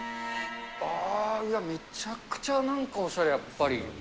ああ、うわっ、めちゃくちゃなんかおしゃれ、やっぱり。